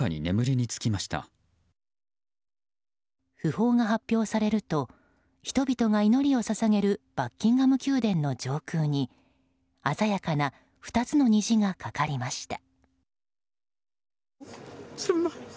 訃報が発表されると人々が祈りを捧げるバッキンガム宮殿の上空に鮮やかな２つの虹がかかりました。